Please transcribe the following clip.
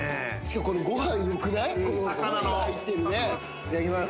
いただきます。